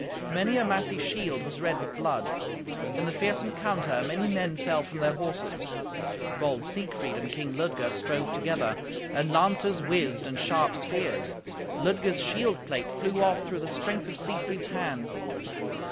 Many a massy shield was red with blood. In the fierce encounter many men fell from their horses. Bold Siegfried and King Ludger strove together, and lances whizzed, and sharp spears. Ludger's shield plate flew off through the strength of Siegfried's hand.